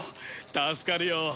助かるよ。